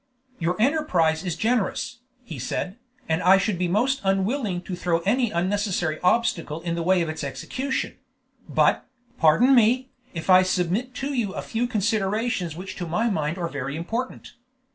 "Your enterprise is generous," he said, "and I should be most unwilling to throw any unnecessary obstacle in the way of its execution; but, pardon me, if I submit to you a few considerations which to my mind are very important.